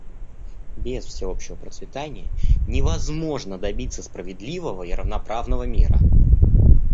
Без всеобщего процветания невозможно добиться справедливого и равноправного мира.